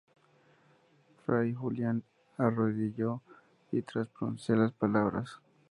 Fray Julián, se arrodilló, y tras pronunciar las palabras.